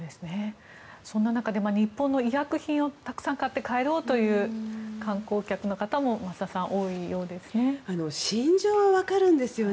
そんな中で日本の医薬品をたくさん買って帰ろうという観光客の方も増田さん、多いようですね。